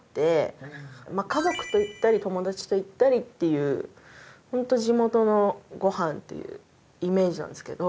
家族と行ったり友達と行ったりっていうホント地元のご飯っていうイメージなんですけど。